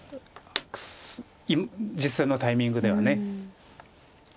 実戦のタイミングでは。